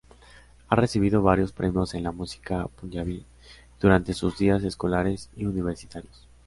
Ha recibido varios premios en la música Punjabi, durante sus días escolares y universitarios.